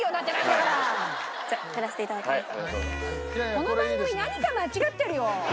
この番組何か間違ってるよ！